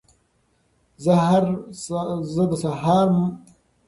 زه د سهار مهال ورزش کولو عادت لرم.